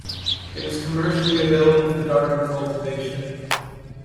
It is commercially available for garden cultivation.